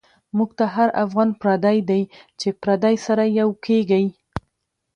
مونږ ته هر افغان پردۍ دۍ، چی پردی سره یو کیږی